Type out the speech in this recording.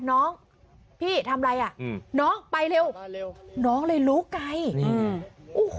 น้องพี่ทำไรอ่ะน้องไปเร็วน้องเลยลุกไกร